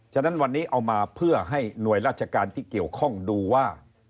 ฉะนั้นวันนี้เอามาเพื่อให้หน่วยราชการที่เกี่ยวข้องดูว่า